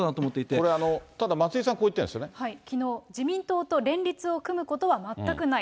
これ、松井さん、きのう、自民党と連立を組むことは全くない。